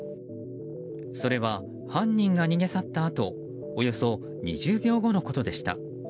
それは、犯人が逃げ去ったあとおよそ２０秒後のことでした。